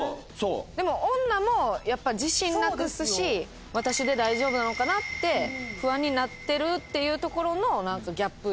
でも女もやっぱ自信なくすし私で大丈夫なのかな？って不安になってるっていうところの。